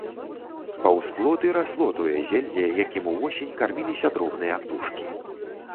Паўз плот і расло тое зелле, якім увосень карміліся дробныя птушкі.